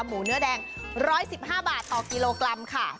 หมูเนื้อแดงร้อยสิบห้าบาทต่อกิโลกรัมค่ะ